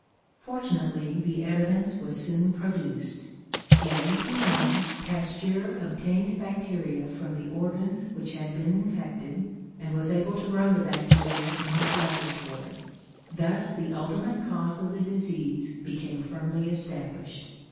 Fortunately the evidence was soon produced. In 1880, Pasteur obtained bacteria from the organs which had been infected, and was able to grow the bacteria in his laboratory; thus the ultimate cause of the disease became firmly established.